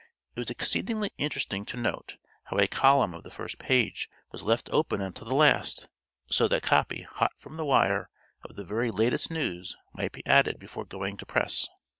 It was exceedingly interesting to note how a column of the first page was left open until the last, so that copy "hot from the wire" of the very latest news might be added before going to press.